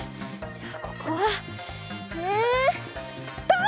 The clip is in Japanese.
じゃあここは。うんとう！